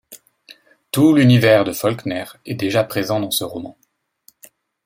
Tout l'univers de Faulkner est déjà présent dans ce roman.